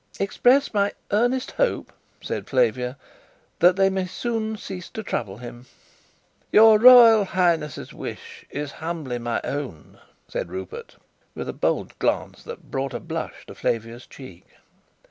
"Express my earnest hope," said Flavia, "that they may soon cease to trouble him." "Your Royal Highness's wish is, humbly, my own," said Rupert, with a bold glance that brought a blush to Flavia's cheek.